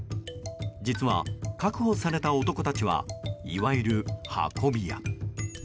実は確保された男たちはいわゆる運び屋。